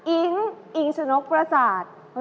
อิงอิงฉนกประจาช